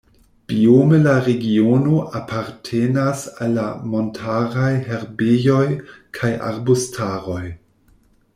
Biome la regiono apartenas al la montaraj herbejoj kaj arbustaroj.